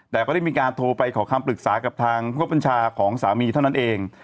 แต่ก็ได้มีการโทรไปขอคำปรึกษากับทางผู้บัญชาของสามีเท่านั้นเอง